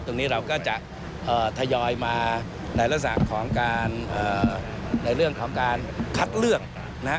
ตรงนี้เราก็จะทยอยมาในลักษณะของการในเรื่องของการคัดเรื่องนะฮะ